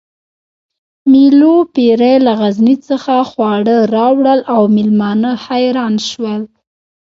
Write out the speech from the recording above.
مېلو پېري له غزني څخه خواړه راوړل او مېلمانه حیران شول